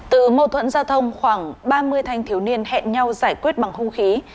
từ mâu thuẫn giao thông khoảng ba mươi thanh thiếu niên hẹn nhau giải quyết bằng hung khí